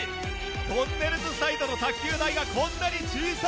とんねるずサイドの卓球台がこんなに小さい！